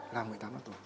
là một mươi tám năm tù